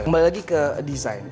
kembali lagi ke desain